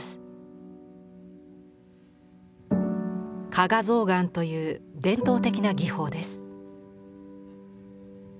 「加賀象嵌」という伝統的な技法です。